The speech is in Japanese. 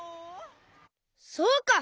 そうか！